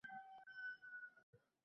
Bunday insonlar, afsuski, kam emas.